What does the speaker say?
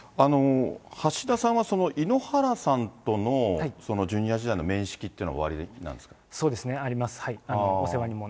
橋田さんは井ノ原さんとのジュニア時代の面識というのはおあそうですね、あります。